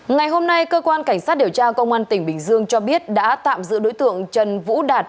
ngày hôm nay cơ quan cảnh sát điều tra công an tỉnh bình dương cho biết đã tạm giữ đối tượng trần vũ đạt